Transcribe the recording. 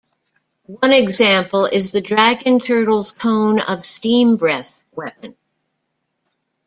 One example is the dragon turtle's cone of steam breath weapon.